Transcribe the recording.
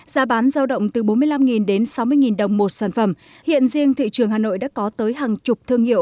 giá bán giao động từ bốn mươi năm đến sáu mươi đồng một sản phẩm hiện riêng thị trường hà nội đã có tới hàng chục thương hiệu